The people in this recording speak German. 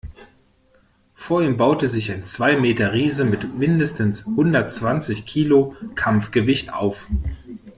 Vor ihm baute sich ein Zwei-Meter-Riese mit mindestens hundertzwanzig Kilo Kampfgewicht auf.